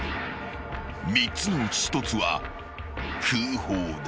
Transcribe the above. ［３つのうち１つは空砲だ］